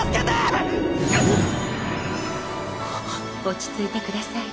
落ち着いてください。